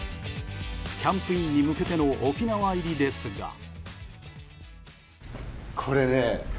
キャンプインに向けての沖縄入りですが。